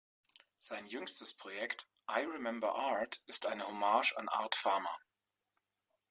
Sein jüngstes Projekt "I remember Art" ist eine Hommage an Art Farmer.